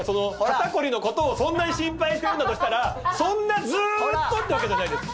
肩こりの事をそんなに心配してるんだとしたらそんなずーっとってわけじゃないです。